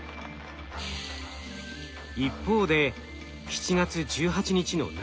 一方で７月１８日の長崎県。